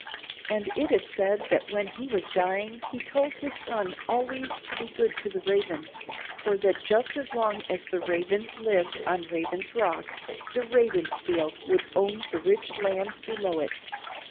And it is said that when he was dying he told his son always to be good to the Ravens, for that just as long as the Ravens lived on Raven's Rock, the Ravensfields would own the rich lands below it.